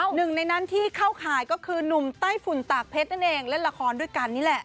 หนึ่งในนั้นที่เข้าข่ายก็คือหนุ่มไต้ฝุ่นตากเพชรนั่นเองเล่นละครด้วยกันนี่แหละ